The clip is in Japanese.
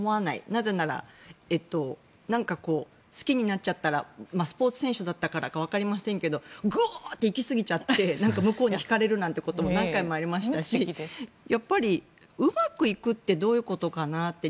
なぜならなんか好きになっちゃったらスポーツ選手だったからかわかりませんがグワーッと行きすぎちゃって向こうに引かれるなんてことも何回もありましたしうまくいくってどういうことかなって。